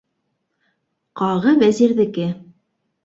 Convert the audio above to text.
Ҡағы Вәзирҙеке.